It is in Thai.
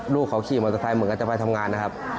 ลูกเขาขี่มอเตอร์ไซค์เหมือนกันจะไปทำงานนะครับ